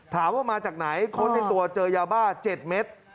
ถามว่ามาจากไหนค้นในตัวเจอยาบ้า๗เม็ด